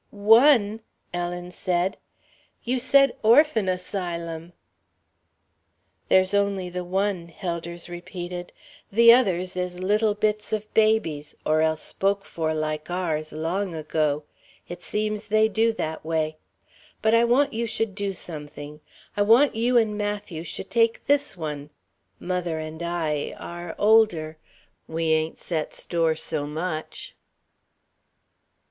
"One!" Ellen said; "you said Orphan Asylum." "There's only the one," Helders repeated. "The others is little bits of babies, or else spoke for like ours long ago. It seems they do that way. But I want you should do something: I want you and Matthew should take this one. Mother and I are older ... we ain't set store so much...."